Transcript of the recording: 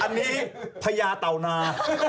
อันนี้พญาเต่านา